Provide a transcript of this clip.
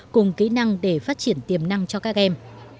cùng kỹ năng để phát triển tiềm năng cho các em